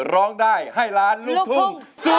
ร้องได้ให้ร้าง